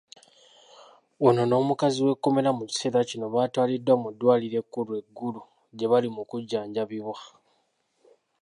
Ono n’omukozi w’ekkomera mu kiseera kino batwaliddwa mu ddwaliro ekkulu e Gulu gye bali mukujjanjabibwa.